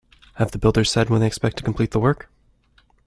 Have the builders said when they expect to complete the work?